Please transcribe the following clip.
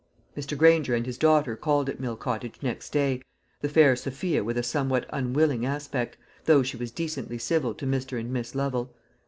Mr. Granger and his daughter called at Mill Cottage next day: the fair Sophia with a somewhat unwilling aspect, though she was decently civil to Mr. and Miss Lovel.